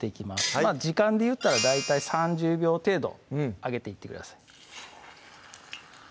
はい時間でいったら大体３０秒程度揚げていってください